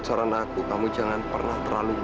sekarang kalian semua have fun